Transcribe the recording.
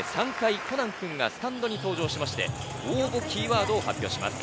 番組内で３回、コナン君がスタンドに登場しまして、キーワードを発表します。